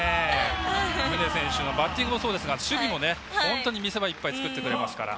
宗選手のバッティングもそうですが守備も本当に見せ場いっぱい作ってくれますから。